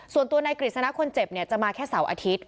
ส่วนตัวนายกฤษณะคนเจ็บจะมาแค่เสาร์อาทิตย์